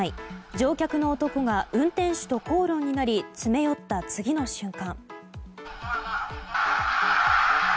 乗客の男が運転手と口論になり詰め寄った次の瞬間。